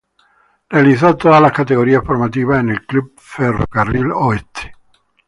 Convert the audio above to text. Realizó todas las categorías formativas en el Club Ferro Carril Oeste.